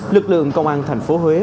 lực lượng công an thành phố huế